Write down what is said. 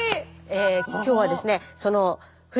え今日はですね